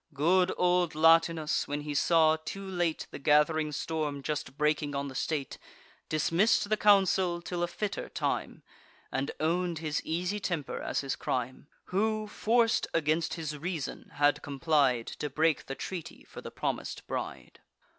Good old Latinus, when he saw, too late, The gath'ring storm just breaking on the state, Dismiss'd the council till a fitter time, And own'd his easy temper as his crime, Who, forc'd against his reason, had complied To break the treaty for the promis'd bride.